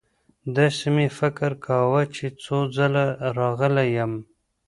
داسې مې فکر کاوه چې څو ځله راغلی یم.